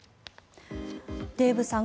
デーブさん